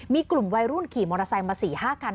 มีกลุ่มวัยรุ่นขี่มอเตอร์ไซค์มา๔๕คัน